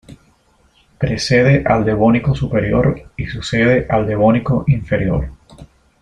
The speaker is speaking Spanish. Precede al Devónico Superior y sucede al Devónico Inferior.